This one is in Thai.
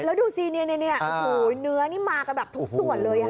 แล้วดูซีนี้เนื้อนี้มากับแบบทุกส่วนเลย